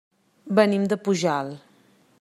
Venim de Pujalt.